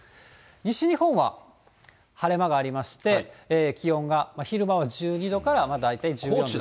西日本は晴れ間がありまして、気温が昼間は１２度から、大体１４度。